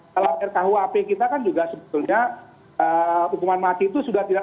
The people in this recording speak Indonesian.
kalau rkuhp kita kan juga sebetulnya hukuman mati itu sudah tidak